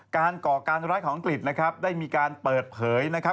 การก่อการร้ายของอังกฤษได้มีการเปิดเผยนะครับ